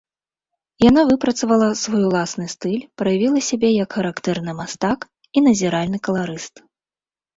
Яна выпрацавала свой уласны стыль, праявіла сябе як характэрны мастак і назіральны каларыст.